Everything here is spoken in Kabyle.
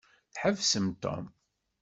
Tḥebsem Tom?